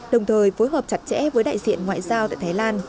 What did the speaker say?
đồng thời phối hợp chặt chẽ với đại diện ngoại giao tại thái lan